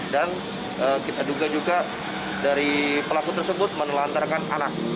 dan kita duga juga dari pelaku tersebut menelantarkan anak